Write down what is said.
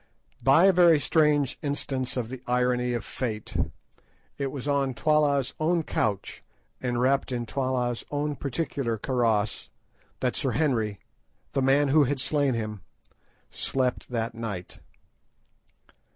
By a very strange instance of the irony of fate, it was on Twala's own couch, and wrapped in Twala's own particular karross, that Sir Henry, the man who had slain him, slept that night.